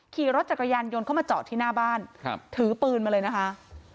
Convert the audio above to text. ขี่รถจักรยานยนต์เข้ามาจอดที่หน้าบ้านครับถือปืนมาเลยนะคะ